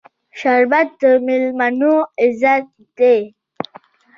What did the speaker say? شربت د میلمنو عزت دی